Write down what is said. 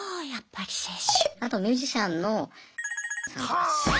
あとミュージシャンのさん。